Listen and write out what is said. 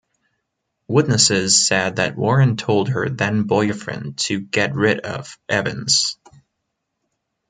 Witnesses said that Warren told her then boyfriend to "get rid of" Evans.